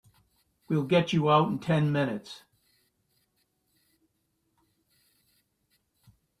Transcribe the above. We'll get you out in ten minutes.